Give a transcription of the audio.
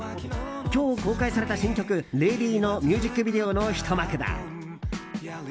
今日公開された新曲「ＬＡＤＹ」のミュージックビデオのひと幕だ。